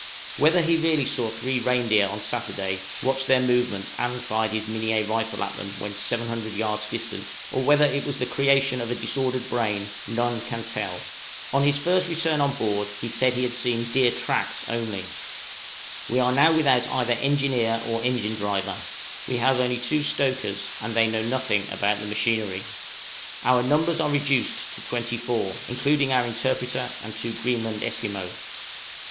Whether he really saw three reindeer on Saturday, watched their movements, and fired his Minié rifle at them when 700 yards distant, or whether it was the creation of a disordered brain, none can tell. On his first return on board he said he had seen deer tracks only. We are now without either engineer or engine driver: we have only two stokers, and they know nothing about the machinery. Our numbers are reduced to twenty four, including our interpreter and two Greenland Esquimaux.